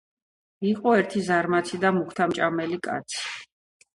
იყო ერთი ზარმაცი და მუქთამჭამელი კაცი